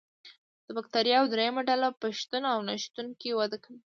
د بکټریاوو دریمه ډله په شتون او نشتون کې وده کوي.